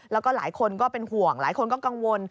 แล้วก็หลายคนก็เป็นห่วงหลายคนก็กังวล